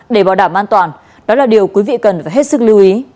để bảo đảm an toàn đó là điều quý vị cần phải hết sức lưu ý